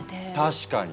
確かに！